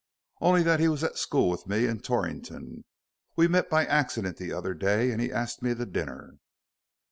"Only that he was at school with me at Torrington. We met by accident the other day, and he asked me to dinner."